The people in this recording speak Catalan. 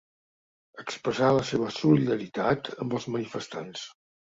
Expressar la seva solidaritat amb els manifestants.